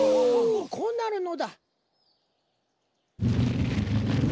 こうなるのだ。